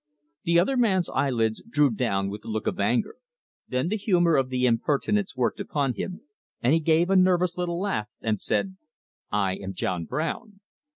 The other man's eyelids drew down with a look of anger, then the humour of the impertinence worked upon him, and he gave a nervous little laugh and said: "I am John Brown."